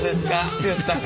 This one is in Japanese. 剛さん。